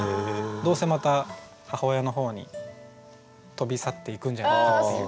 どうせまた母親の方に飛び去っていくんじゃないかっていう。